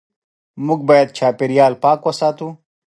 موږ باید چاپېریال پاک وساتو.